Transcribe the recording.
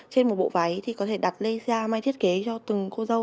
trên một bộ váy thì có thể đặt lê sia may thiết kế cho từng cô dâu